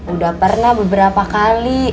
udah pernah beberapa kali